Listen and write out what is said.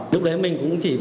lúc đấy mình cũng chỉ